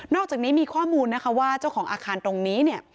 อกจากนี้มีข้อมูลนะคะว่าเจ้าของอาคารตรงนี้เนี่ย